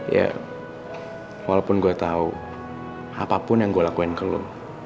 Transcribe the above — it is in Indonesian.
ya walaupun gue tahu apapun yang gue lakuin ke lo